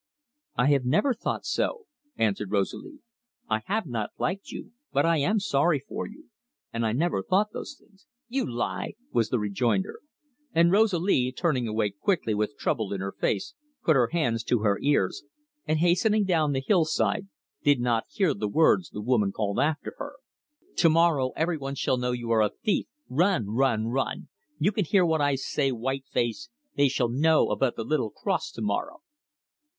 "I have never thought so," answered Rosalie. "I have not liked you, but I am sorry for you, and I never thought those things." "You lie!" was the rejoinder; and Rosalie, turning away quickly with trouble in her face, put her hands to her ears, and, hastening down the hillside, did not hear the words the woman called after her. "To morrow every one shall know you are a thief. Run, run, run! You can hear what I say, white face! They shall know about the little cross to morrow."